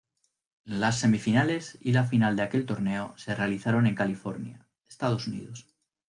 Las semifinales y la final de aquel torneo se realizaron en California, Estados Unidos.